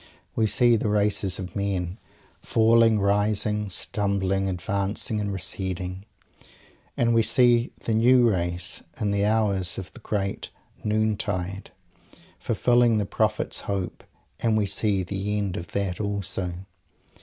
We see the races of men, falling, rising, stumbling, advancing and receding and we see the new race in the hours of the "Great Noon tide" fulfilling its Prophet's hope and we see _the end of that also!